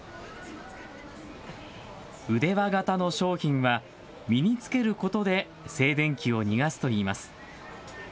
腕輪型の商品は、身につけることで静電気を逃がすといいます。